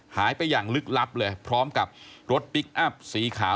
หายไปอย่างลึกลับเลยพร้อมกับรถพลิกอัพสีขาว